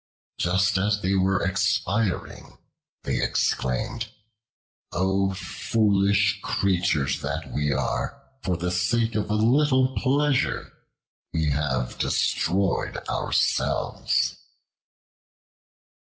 Just as they were expiring, they exclaimed, "O foolish creatures that we are, for the sake of a little pleasure we have destroyed ourselves."